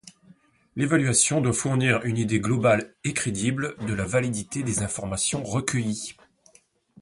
L'évaluation doit fournir une idée globale et crédible de la validité des informations recueillies.